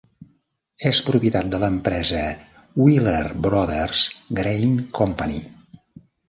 És propietat de l'empresa Wheeler Brothers Grain Company.